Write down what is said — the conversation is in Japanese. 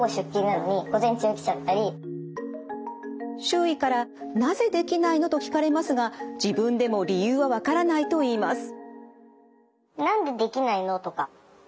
周囲から「なぜできないの？」と聞かれますが自分でも理由は分からないといいます。